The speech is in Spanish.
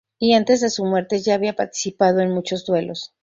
Y antes de su muerte ya había participado en muchos duelos.